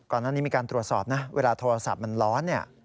ก่อนนั้นนี่มีการตรวจสอบนะเวลาโทรศัพท์มันร้อน